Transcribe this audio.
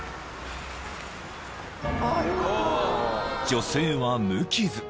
［女性は無傷］